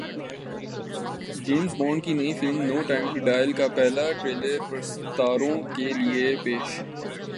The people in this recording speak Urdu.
جیمزبانڈ کی نئی فلم نو ٹائم ٹو ڈائی کا پہلا ٹریلر پرستاروں کے لیے پیش